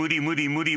無理！